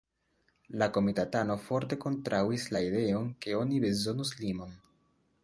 La komitatanoj forte kontraŭis la ideon ke oni bezonus limon.